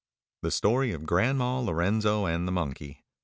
THE STORY OF GRANDMA, LORENZO, AND THE MONKEY.